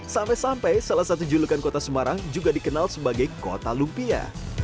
sampai sampai salah satu julukan kota semarang juga dikenal sebagai kota lumpia